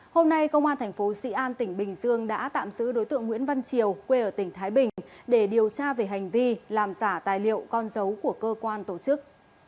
hôm nay công an thành phố sĩ an tỉnh bình dương đã tạm giữ đối tượng nguyễn văn triều quê ở tỉnh thái bình để điều tra về hành vi làm giả tài liệu con dấu của cơ quan tổ chức